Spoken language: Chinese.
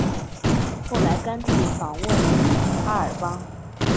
后来甘地访问比哈尔邦。